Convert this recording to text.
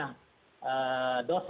dan itu itu memang berbeda sekali